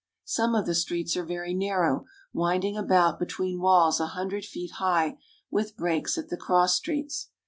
Some of the streets are very narrow, winding about between walls a hundred feet high with breaks at the cross streets.